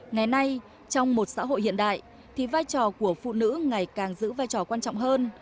ngày nay trong một xã hội hiện đại thì vai trò của phụ nữ ngày càng giữ vai trò quan trọng hơn